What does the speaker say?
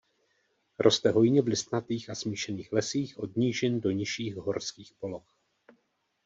Roste hojně v listnatých a smíšených lesích od nížin do nižších horských poloh.